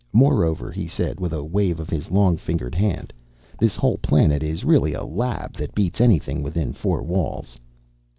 Moreover," he said with a wave of his long fingered hand, "this whole planet is really a lab that beats anything within four walls."